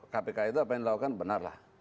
kpk itu apa yang dilakukan benar lah